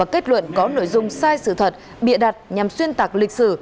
kết luận có nội dung sai sự thật bịa đặt nhằm xuyên tạc lịch sử